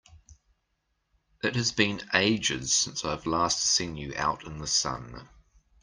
It has been ages since I've last seen you out in the sun!